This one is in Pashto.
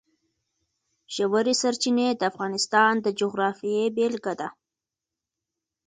ژورې سرچینې د افغانستان د جغرافیې بېلګه ده.